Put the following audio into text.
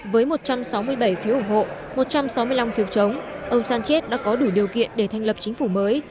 với một trăm sáu mươi bảy phiếu ủng hộ một trăm sáu mươi năm phiếu chống ông sánchez đã có đủ điều kiện để thành lập chính phủ mới